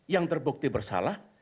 yang terbukti bersalah